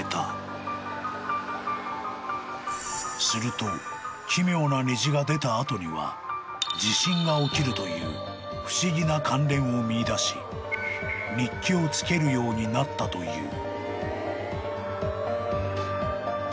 ［すると奇妙な虹が出た後には地震が起きるという不思議な関連を見いだし日記をつけるようになったという］